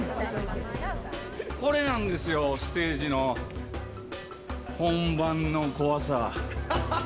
これなんですよ、ステージの本番の怖さ。